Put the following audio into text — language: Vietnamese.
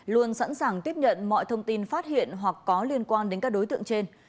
luôn sẵn sàng tiếp nhận mọi thông tin phát hiện hoặc có liên quan đến các đối tượng trên